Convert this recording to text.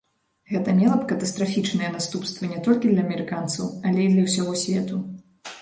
Гэта мела б катастрафічныя наступствы не толькі для амерыканцаў, але і для ўсяго свету.